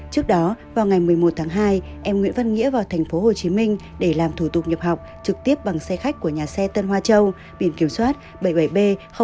trước đó vào ngày một mươi một tháng hai em nguyễn phân nghĩa vào tp hcm để làm thủ tục nhập học trực tiếp bằng xe khách của nhà xe tân hoa châu biển kiểm soát bảy mươi bảy b hai nghìn bốn trăm năm mươi bảy